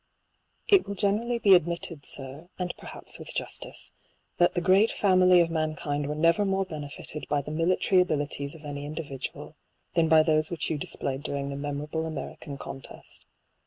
IT will generally be admitted, sir, and perhaps with justice, that the great family of mankind were never more benefited by the military abilities of any indivi dual, than by those which you displayed during the memorable American contest.